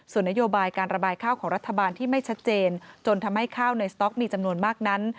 ส่วนนโยบายการระบายข้าวของรัฐบาลที่ไม่ชัดเจนจนทำให้ข้าวในสต๊อกมีจำนวนมากนั้น